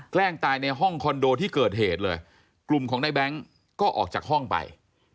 แกล้งตายในห้องคอนโดที่เกิดเหตุเลยกลุ่มของในแบงค์ก็ออกจากห้องไป